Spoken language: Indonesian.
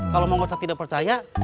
kalau mak ucad tidak percaya